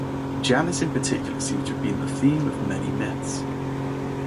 Janus in particular seems to have been the theme of many myths.